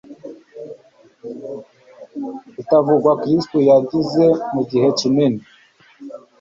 utavugwa Kristo yagize mu gihe kinini